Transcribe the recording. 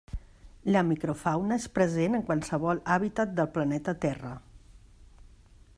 La microfauna és present en qualsevol hàbitat del planeta Terra.